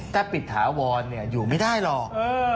ถ้าปิดถาวรอยู่ไม่ได้หรอก